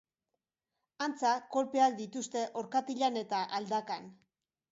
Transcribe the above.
Antza, kolpeak dituzte orkatilan eta aldakan.